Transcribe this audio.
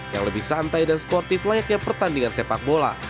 yang lebih santai dan sportif layaknya pertandingan sepak bola